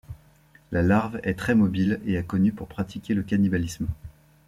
La larve est très mobile et est connue pour pratiquer le cannibalisme.